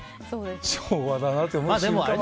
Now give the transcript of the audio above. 昭和だなと思う瞬間はある。